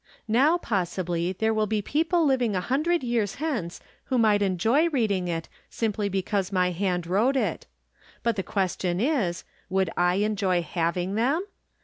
Now, possibly, there wUl be people living a hundred years hence who might enjoy reading it, simply because my hand wrote it. But the question is. Would I enjoy having them